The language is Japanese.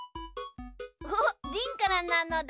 おっリンからなのだ。